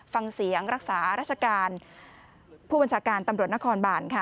ฟังเสียงรักษาราชการผู้บัญชาการตำรวจนครบานค่ะ